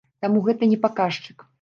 Таму гэта не паказчык.